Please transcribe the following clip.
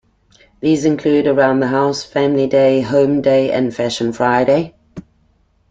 These include "Around the House", "Family Day", "Home Day", and "Fashion Friday".